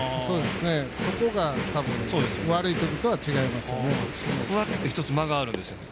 そこが悪いときとは違いますよね。